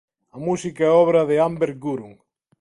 A música é obra de Amber Gurung.